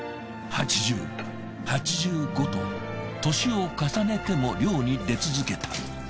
８０８５と年を重ねても漁に出続けた。